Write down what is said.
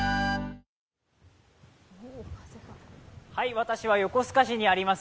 私は横須賀市にあります